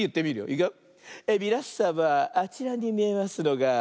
いくよ。